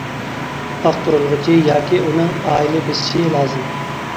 ئاختۇرۇلغۇچى ياكى ئۇنىڭ ئائىلە بېسىشى لازىم.